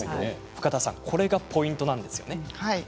深田さん、これがポイントなんですね。